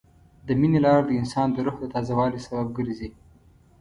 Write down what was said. د مینې لار د انسان د روح د تازه والي سبب ګرځي.